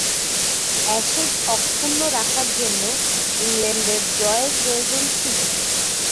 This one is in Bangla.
অ্যাশেজ অক্ষুণ্ন রাখার জন্য ইংল্যান্ডের ড্রয়ের প্রয়োজন ছিল।